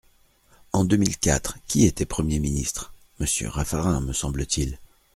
En deux mille quatre, qui était Premier ministre ? Monsieur Raffarin, me semble-t-il.